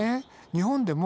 日本でも？